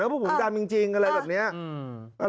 ยังก็โกรธนะครับเขาบุมารมจำจริงจริงอะไรแบบเนี้ยอืม